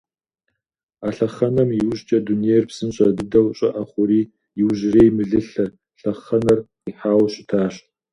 А лъэхъэнэм иужькӀэ дунейр псынщӀэ дыдэу щӀыӀэ хъури, иужьрей мылылъэ лъэхъэнэр къихьауэ щытащ.